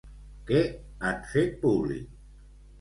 Què han fet públic?